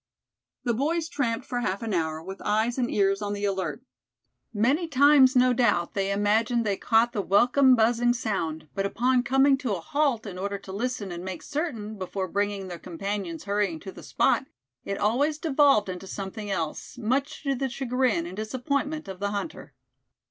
The boys tramped for half an hour, with eyes and ears on the alert. Many times no doubt they imagined they caught the welcome buzzing sound, but upon coming to a halt in order to listen and make certain, before bringing their companions hurrying to the spot, it always devolved into something else, much to the chagrin and disappointment of the hunter.